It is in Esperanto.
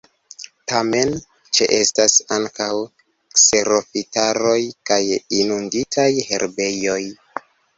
Tamen ĉeestas ankaŭ kserofitaroj kaj inunditaj herbejoj.